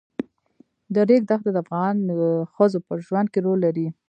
د ریګ دښتې د افغان ښځو په ژوند کې رول لري.